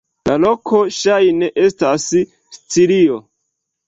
La loko ŝajne estas Sicilio.